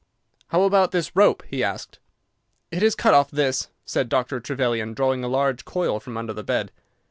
"How about this rope?" he asked. "It is cut off this," said Dr. Trevelyan, drawing a large coil from under the bed.